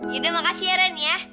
yaudah makasih ya ran ya